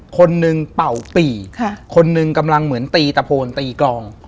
คนหนึ่งเป่าปี่คนหนึ่งกำลังเหมือนตีตะโพนตีกรอง